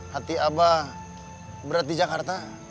hati abah berat di jakarta